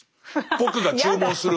僕が注文する前に。